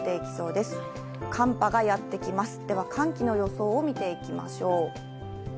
では寒気の予想を見ていきましょう。